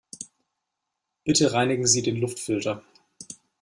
Bitte reinigen Sie den Luftfilter.